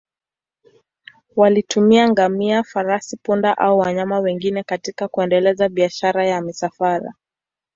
Walitumia ngamia, farasi, punda au wanyama wengine katika kuendeleza biashara ya misafara.